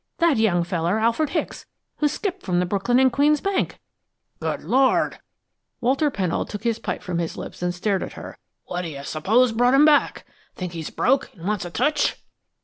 That young feller, Alfred Hicks, who skipped from the Brooklyn and Queens Bank!" "Good Lord!" Walter Pennold took his pipe from his lips and stared at her. "What d'you s'pose brought him back? Think he's broke, an' wants a touch?"